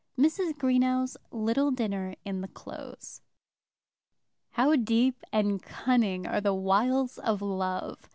Mrs. Greenow's Little Dinner in the Close. How deep and cunning are the wiles of love!